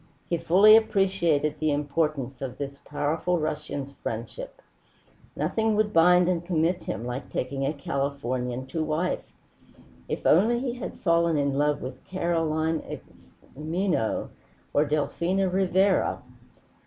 He fully appreciated the importance of this powerful Russian's friendship. Nothing would bind and commit him like taking a Californian to wife. If only he had fallen in love with Carolina Xime'no or Delfina Rivera!